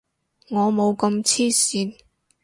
我冇咁黐線